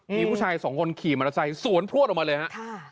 มีผู้ชายสองคนขี่มรสชัยสวนพวดออกมาเลยฮะ